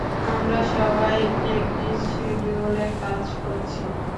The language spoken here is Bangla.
আমরা সবাই একই শিডিউলে কাজ করছি।